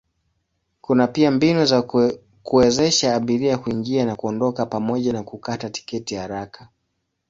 Kuna pia mbinu za kuwezesha abiria kuingia na kuondoka pamoja na kukata tiketi haraka.